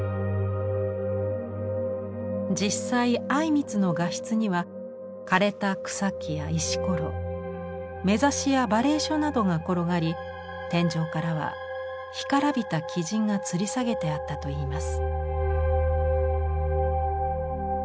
実際靉光の画室には枯れた草木や石ころ目刺しや馬鈴薯などが転がり天上からは干からびた雉がつり下げてあったといいます。